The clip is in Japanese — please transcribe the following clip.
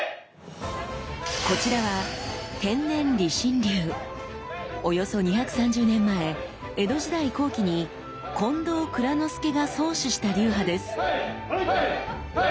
こちらはおよそ２３０年前江戸時代後期に近藤内蔵之助が創始した流派です。